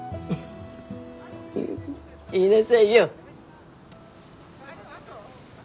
言いなさいよ。